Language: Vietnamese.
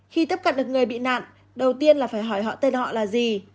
khi tiếp cận được người bị nạn đầu tiên là phải hỏi họ tên họ là gì